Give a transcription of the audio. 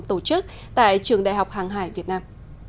tổ chức tại trường đại học hàng hải việt nam